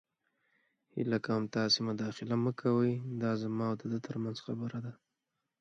هیله کوم تاسې مداخله مه کوئ. دا زما او ده تر منځ خبره ده.